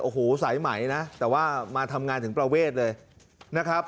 โอ้โหสายไหมนะแต่ว่ามาทำงานถึงประเวทเลยนะครับ